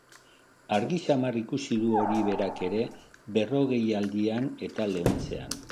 Argi samar ikusi du hori berak ere berrogeialdian eta leuntzean.